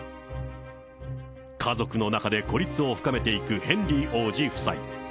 家族の中で孤立を深めていくヘンリー王子夫妻。